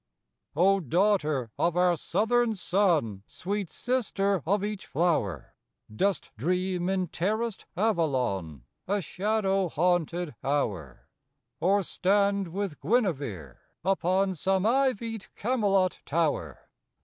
O daughter of our Southern sun, Sweet sister of each flower, Dost dream in terraced Avalon A shadow haunted hour? Or stand with Guinevere upon Some ivied Camelot tower?